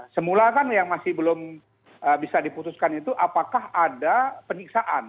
semula kan yang masih belum bisa diputuskan itu apakah ada penyiksaan